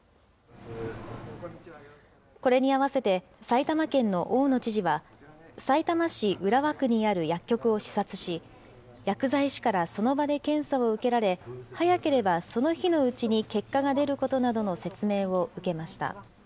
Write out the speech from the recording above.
これに合わせて、埼玉県の大野知事は、さいたま市浦和区にある薬局を視察し、薬剤師からその場で検査を受けられ、早ければその日のうちに結果が出ることなどの説明を受けました。